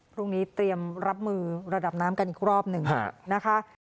พรุ่งนี้เตรียมรับมือระดับน้ำกันอีกรอบหนึ่งนะคะ